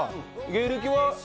芸歴は？